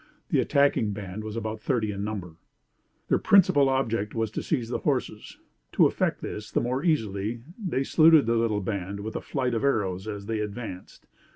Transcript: The attacking band was about thirty in number. Their principal object was to seize the horses. To effect this the more easily, they saluted the little band with a flight of arrows as they advanced.